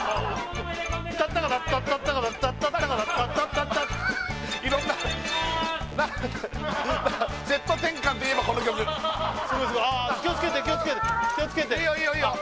タッタカタッタタッタカタッタタッタカタッタタッタッタッセット転換といえばこの曲ああ気をつけて気をつけて気をつけていいよいいよいいよ